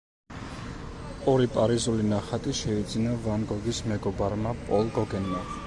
ორი პარიზული ნახატი შეიძინა ვან გოგის მეგობარმა, პოლ გოგენმა.